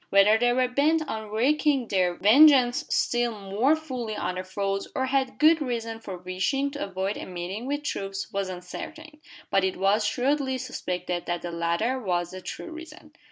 Whether they were bent on wreaking their vengeance still more fully on their foes, or had good reason for wishing to avoid a meeting with troops, was uncertain; but it was shrewdly suspected that the latter was the true reason.